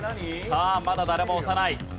さあまだ誰も押さない。